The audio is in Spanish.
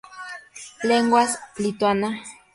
Lenguas: Lituana.